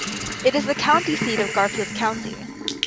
It is the county seat of Garfield County.